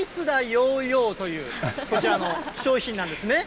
ヨーヨーというこちらの商品なんですね。